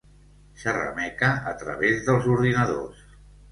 Xerrameca a través dels ordinadors.